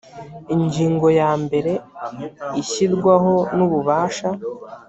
ingingo yambere ishyirwaho n ububasha